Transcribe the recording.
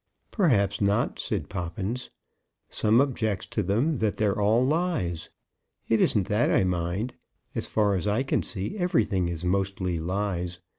"Perhaps not," said Poppins. "Some objects to them that they're all lies. It isn't that I mind. As far as I can see, everything is mostly lies.